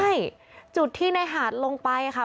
ใช่จุดที่ในหาดลงไปค่ะ